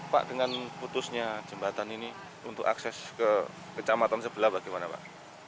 pak dengan putusnya jembatan ini untuk akses ke kecamatan sebelah bagaimana pak